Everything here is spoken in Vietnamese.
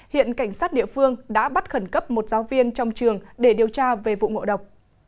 hiện cảnh sát địa phương đã bắt khẩn cấp một giáo viên trong trường để điều tra về vụ ngộ độc